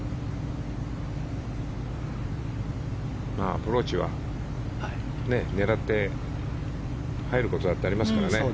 アプローチは狙って入ることだってありますからね。